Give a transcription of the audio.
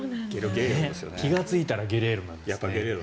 気がついたらゲレーロですね。